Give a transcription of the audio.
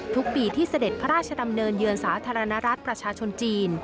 ทุกปีที่เสด็จพระราชดำเนินเยือนสาธารณรัฐประชาชนจีน